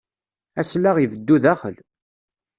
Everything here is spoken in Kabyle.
Aslaɣ ibeddu daxel.